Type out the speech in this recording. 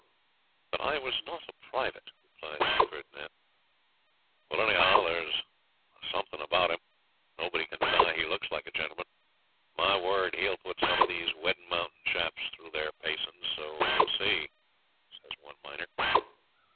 'But I was not a private,' replied Sir Ferdinand. 'Well, anyhow there's a something about him. Nobody can deny he looks like a gentleman; my word, he'll put some of these Weddin Mountain chaps thro' their facin's, you'll see,' says one miner.